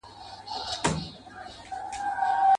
زه تر ده سم زوروري لوبي کړلای.